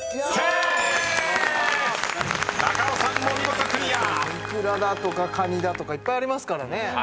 イクラだとかカニだとかいっぱいありますからね。